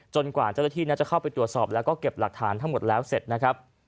กว่าเจ้าหน้าที่จะเข้าไปตรวจสอบแล้วก็เก็บหลักฐานทั้งหมดแล้วเสร็จนะครับ